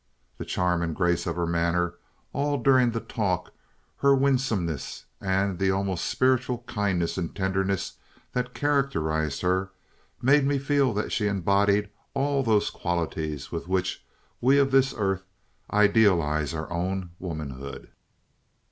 The charm and grace of her manner, all during the talk, her winsomeness, and the almost spiritual kindness and tenderness that characterized her, made me feel that she embodied all those qualities with which we of this earth idealize our own womanhood.